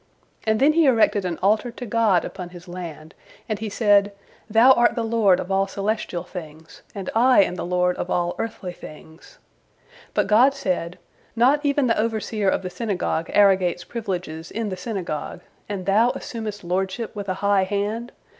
And then he erected an altar to God upon his land, and he said, "Thou art the Lord of all celestial things, and I am the lord of all earthly things." But God said, "Not even the overseer of the synagogue arrogates privileges in the synagogue, and thou assumest lordship with a high hand?